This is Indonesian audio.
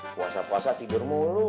puasa puasa tidur mulu